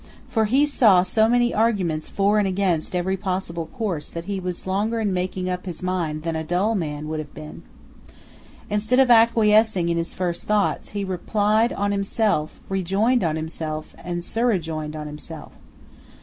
For he saw so many arguments for and against every possible course that he was longer in making up his mind than a dull man would have been. Instead of acquiescing in his first thoughts, he replied on himself, rejoined on himself, and surrejoined on himself.